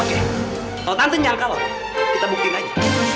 kalau tante nyangkau kita buktiin aja